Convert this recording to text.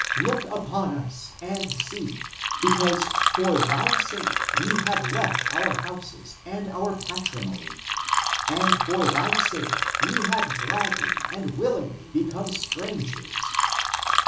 Look upon us (and see), because for thy sake we have left our houses and our patrimony, and for thy sake we have gladly and willingly become strang ers.